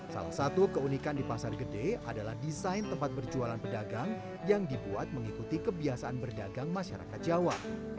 salah satu keunikan di pasar gede adalah desain tempat berjualan pedagang yang dibuat mengikuti kebiasaan berdagang masyarakat jawa